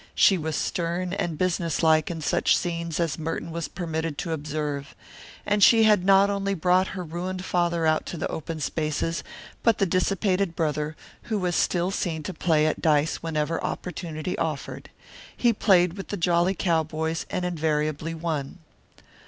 She was stern and businesslike in such scenes as Merton was permitted to observe. And she had not only brought her ruined father out to the open spaces but the dissipated brother, who was still seen to play at dice whenever opportunity offered. He played with the jolly cowboys and invariably won.